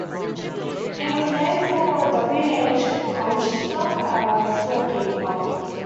It was named for W. H. Comstock, a storekeeper.